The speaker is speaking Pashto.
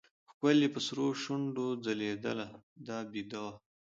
ښکل يې په سرو شونډو ځلېدله دا بېده وه.